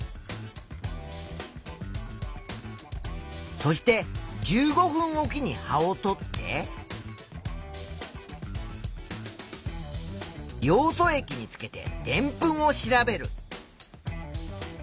そして１５分おきに葉をとってヨウ素液につけてでんぷんを調べる。